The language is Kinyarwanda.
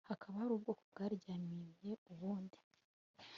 hakaba hari ubwoko bwaryamiye ubundi